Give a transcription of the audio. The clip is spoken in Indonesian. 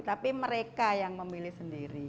tapi mereka yang memilih sendiri